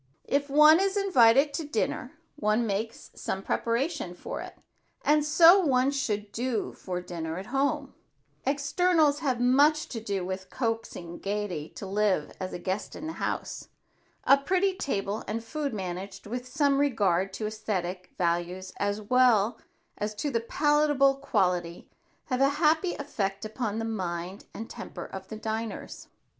If one is invited out to dinner, one makes some preparation for it, and so one should do for dinner at home. Externals have much to do with coaxing gaiety to live as a guest in the house. A pretty table and food managed with some regard to esthetic values as well as to the palatable quality, have a happy effect upon the mind and temper of the diners.